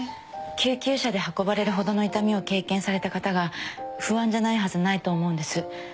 救急車で運ばれるほどの痛みを経験された方が不安じゃないはずないと思うんです